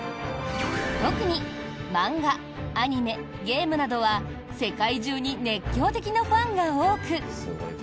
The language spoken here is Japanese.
特に漫画、アニメ、ゲームなどは世界中に熱狂的なファンが多く。